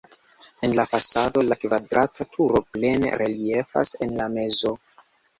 En la fasado la kvadrata turo plene reliefas en la mezo.